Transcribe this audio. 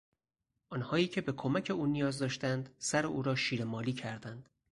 آنهایی که به کمک او نیاز داشتند سر او را شیرهمالی کردند.